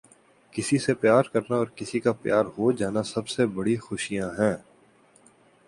کسی سے پیار کرنا اور کسی کا پیار ہو جانا سب سے بڑی خوشیاں ہیں۔